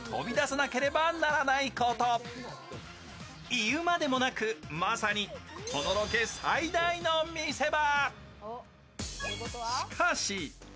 言うまでもなくまさにこのロケ最大の見せ場。